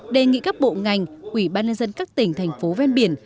đề nghị các bộ ngành ủy ban nhân dân các tỉnh thành phố ven biển